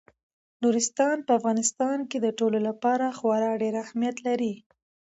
نورستان په افغانستان کې د ټولو لپاره خورا ډېر اهمیت لري.